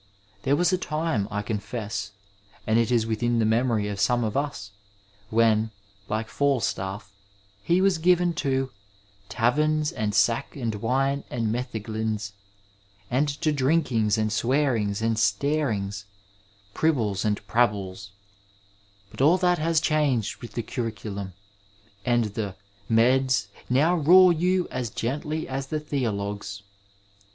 There was a time, I confess, and it is within the memory of some of us, when, like Falstaff, he was given to taverns and sack and wine and metheglins, and to drinkings and swearings and star ings, pribbles and prabbles "; but all that has changed with the curriculum, and the " Meds " now roar you as gently as the ^^Theologs."